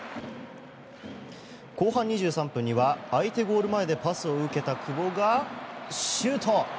後半２３分には相手ゴール前でパスを受けた久保がシュート。